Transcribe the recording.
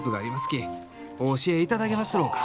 きお教えいただけますろうか？」。